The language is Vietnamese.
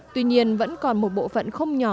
tuy nhiên vẫn còn một bộ phận không nhỏ